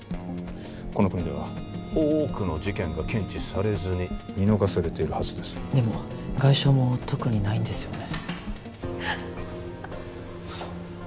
この国では多くの事件が検知されずに見逃されているはずですでも外傷も特にないんですよね